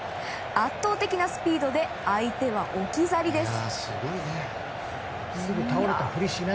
圧倒的なスピードで相手は置き去りです。